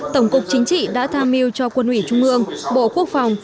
tổng cục chính trị đã tham mưu cho quân ủy trung ương bộ quốc phòng